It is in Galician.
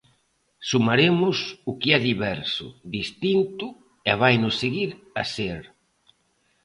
Sumaremos o que é diverso, distinto e vaino seguir a ser.